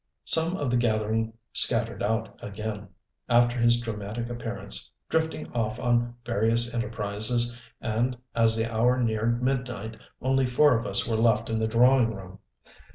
Some of the gathering scattered out again, after his dramatic appearance, drifting off on various enterprises and as the hour neared midnight only four of us were left in the drawing room.